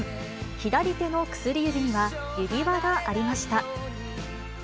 左手の薬指には指輪がありました。